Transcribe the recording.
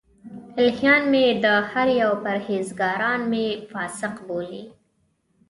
الهیان مې دهري او پرهېزګاران مې فاسق بولي.